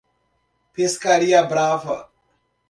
Pescaria Brava